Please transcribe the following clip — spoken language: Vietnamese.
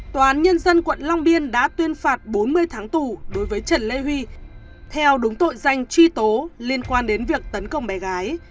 tòa án nhân dân quận long biên đã tuyên phạt bốn mươi tháng tù đối với trần lê huy theo đúng tội danh truy tố liên quan đến việc tấn công bé gái